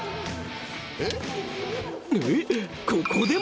［えっ？］